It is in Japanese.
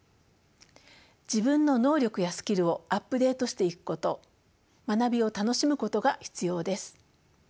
自分の能力やスキルをアップデートしていくこと学びを楽しむことが必要です。